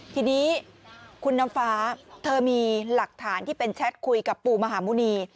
ทีนี้คุณน้ำฟ้าเธอมีหลักฐานที่เป็นแชทคุยกับปู่มหาหมุณี